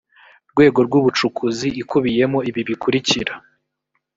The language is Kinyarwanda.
rwego rw ubucukuzi ikubiyemo ibi bikurikira